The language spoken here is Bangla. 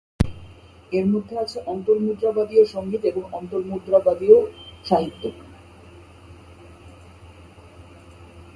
এর মধ্যে আছে অন্তর্মুদ্রাবাদীয় সঙ্গীত এবং অন্তর্মুদ্রাবাদীয় সাহিত্য।